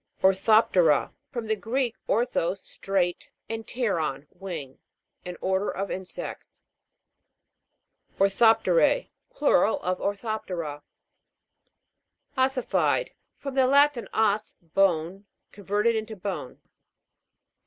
ORTHOP'TERA. From the Greek, orthos, straight, and pteron, wing. An order of insects. ORTHOP'TERA. Plural of Orthop' tera. OS'SIFIED. From the Latin, os, bone. Converted into bone.